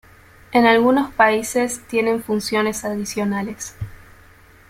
En algunos países tienen funciones adicionales.